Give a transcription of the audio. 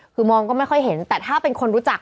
คือมองก็ไม่ค่อยเห็นแต่ถ้าเป็นคนรู้จัก